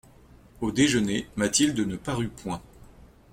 Au déjeuner, Mathilde ne parut point.